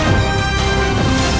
aku akan menang